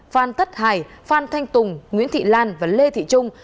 phan tất hải phan thanh tùng nguyễn thị lan và lê thị trung